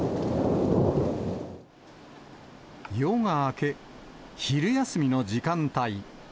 夜が明け、昼休みの時間帯。